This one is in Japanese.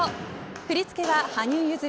振り付けは羽生結弦